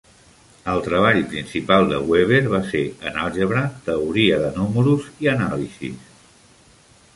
El treball principal de Weber va ser en àlgebra, teoria de números i anàlisis.